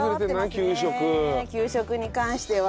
給食に関しては。